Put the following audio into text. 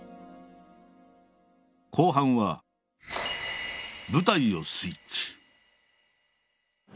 後半は舞台をスイッチ。